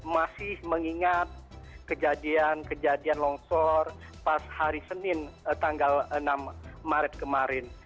masih mengingat kejadian kejadian longsor pas hari senin tanggal enam maret kemarin